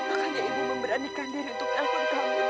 makanya ibu memberanikan diri untuk menanggung kamu nak